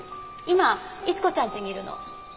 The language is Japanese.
今逸子ちゃんちにいるの。